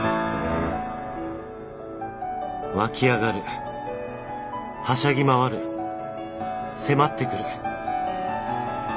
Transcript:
わき上がるはしゃぎ回る迫ってくる